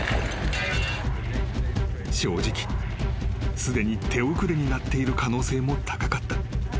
［正直すでに手遅れになっている可能性も高かった］